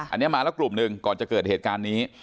อันนี้มาแล้วกลุ่มหนึ่งก่อนจะเกิดเหตุการณ์นี้